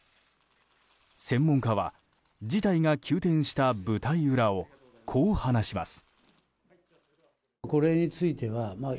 専門家は事態が急転した舞台裏をこう話します。